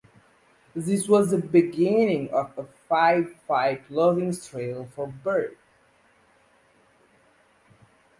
This was the beginning of a five fight losing streak for Byrd.